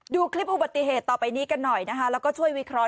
ดูคลิปอุบัติเหตุต่อไปนี้กันหน่อยนะคะแล้วก็ช่วยวิเคราะ